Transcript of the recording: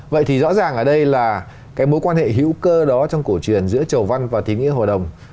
vậy thì rõ ràng ở đây là cái mối quan hệ hữu cơ đó trong cổ truyền giữa trầu văn và tín ngưỡng hầu đồng